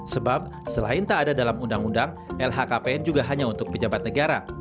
sebab selain tak ada dalam undang undang lhkpn juga hanya untuk pejabat negara